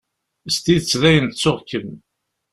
S tidet dayen ttuɣ-kem.